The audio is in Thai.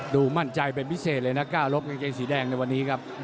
มั่นใจเป็นพิเศษเลยนะก้าวรบกางเกงสีแดงในวันนี้ครับ